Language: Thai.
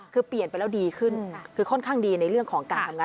คือเปลี่ยนไปแล้วดีขึ้นคือค่อนข้างดีในเรื่องของการทำงาน